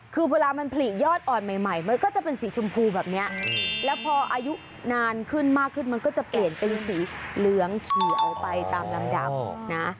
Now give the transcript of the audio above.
ก็จะเป็นสีชมพูแบบนี้แล้วพออายุนานขึ้นมากขึ้นมันก็จะเปลี่ยนเป็นสีเหลืองขี่เอาไปตามดำดับนะ